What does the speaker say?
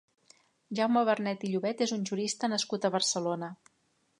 Jaume Vernet i Llobet és un jurista nascut a Barcelona.